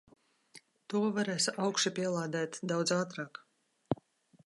To varēs augšupielādēt daudz ātrāk.